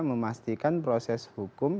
memastikan proses hukum